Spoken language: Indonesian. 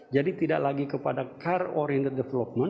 jadi tidak lagi kepada car oriented development